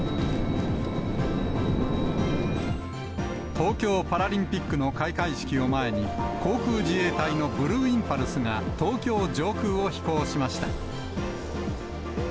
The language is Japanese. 東京パラリンピックの開会式を前に、航空自衛隊のブルーインパルスが、東京上空を飛行しました。